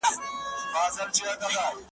هسي نه چي د زمان خزان دي یوسي ,